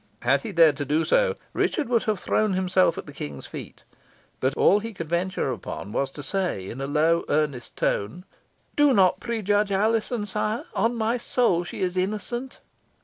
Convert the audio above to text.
Had he dared so to do, Richard would have thrown himself at the King's feet, but all he could venture upon was to say in a low earnest tone, "Do not prejudge Alizon, sire. On my soul she is innocent!"